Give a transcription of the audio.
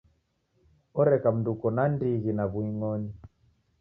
Oreka mndu uko na ndighi na w'uing'oni.